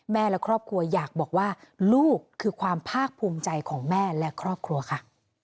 และครอบครัวอยากบอกว่าลูกคือความภาคภูมิใจของแม่และครอบครัวค่ะ